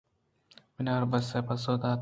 بناربسءَ پسو دات